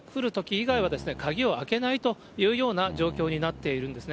以外は鍵を開けないというような状況になっているんですね。